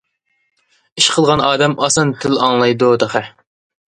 ئىش قىلغان ئادەم ئاسان تىل ئاڭلايدۇ تېخى.